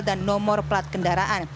dan nomor plat kendaraan